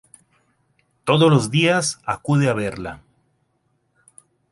Todos los días acude a verla.